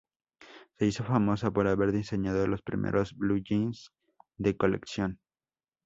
Se hizo famosa por haber diseñado los primeros "blue jeans" de colección.